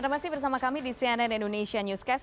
anda masih bersama kami di cnn indonesia newscast